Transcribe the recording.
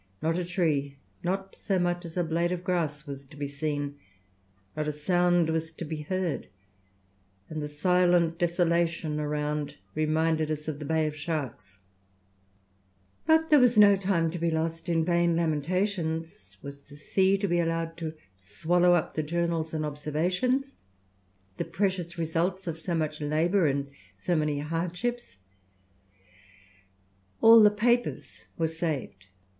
Not a tree, not so much as a blade of grass was to be seen, not a sound was to be heard, and the silent desolation around reminded us of the Bay of Sharks." [Illustration: Berkeley Sound, in the Falkland Islands.] But there was no time to be lost in vain lamentations. Was the sea to be allowed to swallow up the journals and observations, the precious results of so much labour and so many hardships? All the papers were saved.